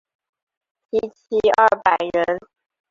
缇骑二百人。